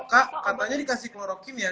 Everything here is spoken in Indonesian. kak katanya dikasih kloroquin ya